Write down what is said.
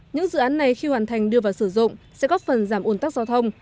những dự án này khi hoàn thành đưa vào sử dụng sẽ góp phần giảm ồn tắc giao thông